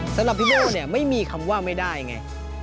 สำหรับพี่โม่เนี่ยไม่มีคำว่าไม่ได้ไง